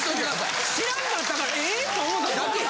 違う違う知らんかったからええっ！？と思っただけや。